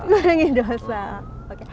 ngurangi dosa oke